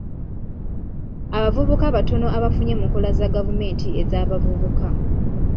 Abavubuka batono abafunye mu nkola za gavumenti ez'abavubuka.